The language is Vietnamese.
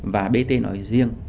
và bt nói riêng